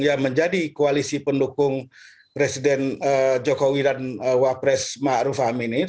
yang menjadi koalisi pendukung presiden jokowi dan wapres ma'ruf aminin